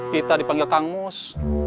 kita dipanggil kang mus